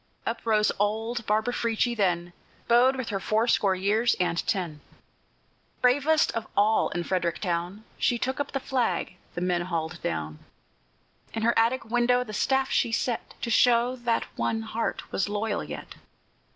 Up rose old Barbara Frietchie then, Bowed with her fourscore years and ten; Bravest of all in Frederick town, She took up the flag the men hauled down; In her attic window the staff she set, To show that one heart was loyal yet.